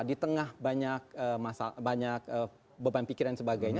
di tengah banyak masalah banyak beban pikiran dan sebagainya